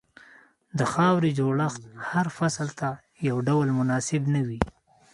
د خاورې جوړښت هر فصل ته یو ډول مناسب نه وي.